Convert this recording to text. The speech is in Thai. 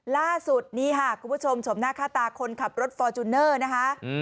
ล่าสุดนี้ค่ะคุณผู้ชมชมหน้าค่าตาคนขับรถฟอร์จูเนอร์นะคะ